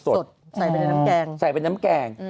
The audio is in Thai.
สดใส่ไปในน้ำแกงใส่เป็นน้ำแกง